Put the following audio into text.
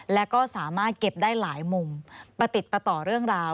แล้วก็สามารถเก็บได้หลายมุมประติดประต่อเรื่องราว